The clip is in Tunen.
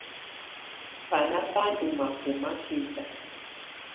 Baná bá ndɔ́ mafɔma kɛta.